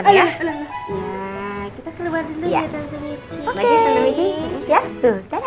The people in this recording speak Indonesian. nah kita keluar dulu ya tante michi